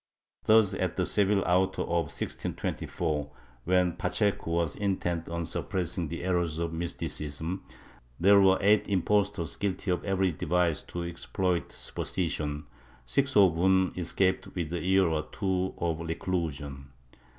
^ Thus at the Seville auto of 1624, when Pacheco was intent on suppressing the errors of Mysticism, there were eight impostors guilty of every device to exploit superstition, six of whom escaped with a year or two of reclusion.